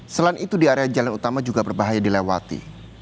selain itu di area jalan utama juga berbahaya dilewati